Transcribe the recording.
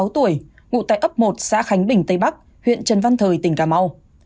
sáu mươi sáu tuổi ngụ tại ấp một xã khánh bình tây bắc huyện trần văn thời tỉnh cà mau